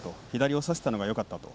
左を差したのがよかった。